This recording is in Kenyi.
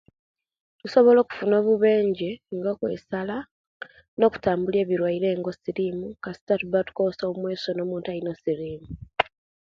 Tusobola okufuna obubenge nga okwesala ne okutambulia ebirwaire ngo osilimu kasita otuba tukozesia obumweso ne omuntu alina esilimu